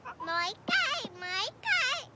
もういっかい！